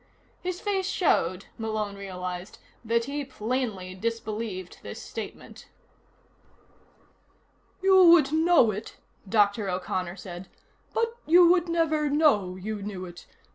His face showed, Malone realized, that he plainly disbelieved this statement. "You would know it," Dr. O'Connor said, "but you would never know you knew it.